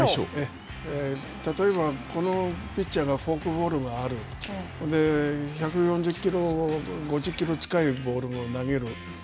例えば、このピッチャーがフォークボールがある、１４０キロ、５０キロ近いボールを投げる。